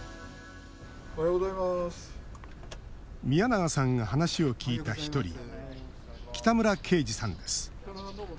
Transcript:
宮永さんが話を聞いた１人北村恵司さんです。